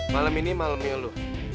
malam ini malamnya lu